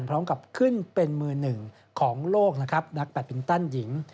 พร้อมกับขึ้นเป็นมือหนึ่งของโลกนะครับนักแบตมินตันหญิง